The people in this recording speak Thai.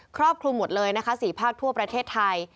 ครอบคลุมหมดเลยนะคะ๔ภาคทั่วประเทศไทย